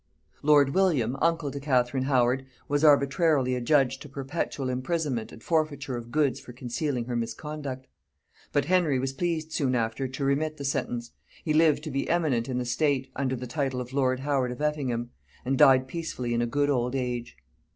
Lord William, uncle to Catherine Howard, was arbitrarily adjudged to perpetual imprisonment and forfeiture of goods for concealing her misconduct; but Henry was pleased soon after to remit the sentence: he lived to be eminent in the state under the title of lord Howard of Effingham, and died peacefully in a good old age.